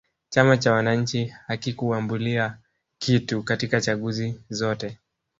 chama cha wananchi hakikuambulia kitu katika chaguzi zote